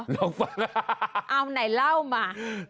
เหรอเอาไหนเล่ามาลองฟัง